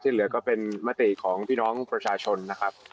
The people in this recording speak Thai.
เหลือก็เป็นมติของพี่น้องประชาชนนะครับ